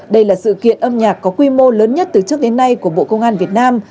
đây là sự kiện âm nhạc có quy mô lớn nhất từ trước đến nay của bộ công an việt nam